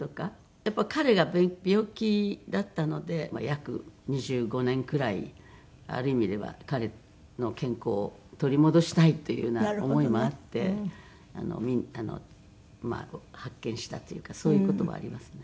やっぱり彼が病気だったので約２５年くらいある意味では彼の健康を取り戻したいというような思いもあって発見したというかそういう事もありますね。